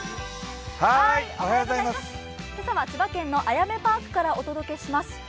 今朝は千葉県のあやめパークからお届けします。